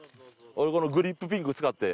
このグリップピンク使って。